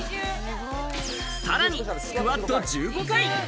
さらにスクワット１５回。